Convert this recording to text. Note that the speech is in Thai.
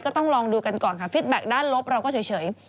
ต้องลองดูกันก่อนค่ะฟิตแบ็คด้านลบเราก็เฉย